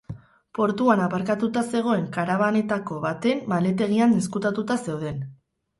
Portuan aparkatuta zegoen karabanetako baten maletategian ezkutatuta zeuden.